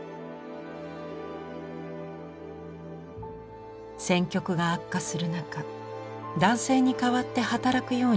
戦局が悪化する中男性に代わって働くようになった女性。